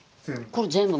全部。